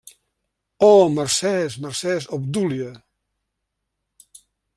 -Oh, mercès, mercès, Obdúlia!